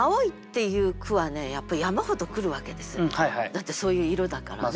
だってそういう色だからね。